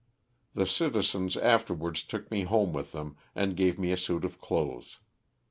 The citizens afterwards took me home with them and gave me a suit of clothes.